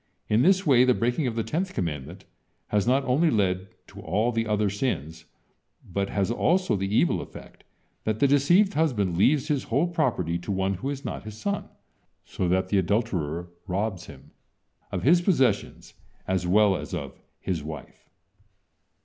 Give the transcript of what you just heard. In this way, the breaking of the tenth commandment has not only led to all the other sins, but has also the evil effect that the deceived husband leaves his whole property to one who is not his son, so that the adulterer robs him of his possessions as well as of his wife.